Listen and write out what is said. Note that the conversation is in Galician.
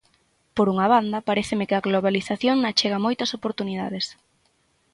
Por unha banda, paréceme que a globalización achega moitas oportunidades.